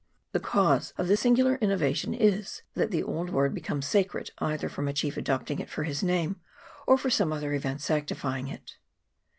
The cause of this singular inno vation is, that the old word becomes sacred, either from a chief adopting it for his name, or from some other event sanctifying it.